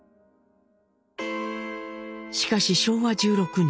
しかし昭和１６年。